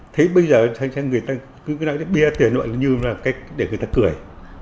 thế bây giờ người ta cứ nói bia tiền nội như là để người ta cười